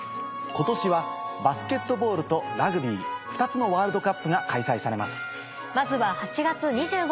今年はバスケットボールとラグビー２つのワールドカップが開催されます。